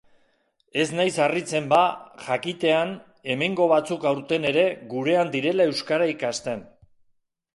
Ez naiz harritzen ba jakitean hemengo batzuk aurten ere gurean direla euskara ikasten.